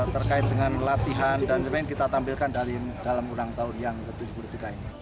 terkait dengan latihan dan lain lain kita tampilkan dalam ulang tahun yang ke tujuh puluh tiga ini